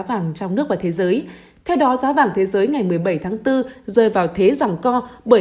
vàng trong nước và thế giới theo đó giá vàng thế giới ngày một mươi bảy tháng bốn rơi vào thế dòng co bởi